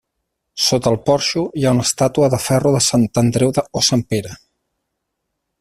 Sota el porxo hi ha una estàtua de ferro de Sant Andreu o Sant Pere.